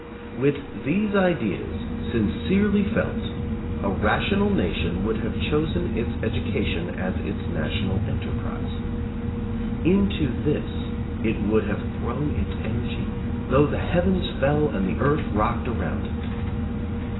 With these ideas sincerely felt, a ra tional nation would have chosen education as its national enterprise. Into this it would have thrown its energy though the heavens fell and the earth rocked around it.